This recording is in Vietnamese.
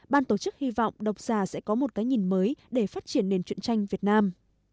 ban tổ chức hy vọng độc giả sẽ có một cái nhìn mới để phát triển nền chuyện tranh việt nam